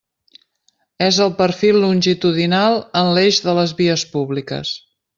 És el perfil longitudinal en l'eix de les vies públiques.